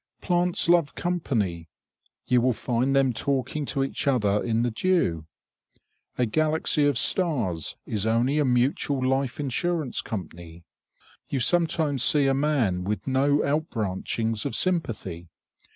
Plants love company; you will find them talking to each other in the dew. A galaxy of stars is only a mutual life insurance company. You sometimes see a man with no out branchings of sympathy.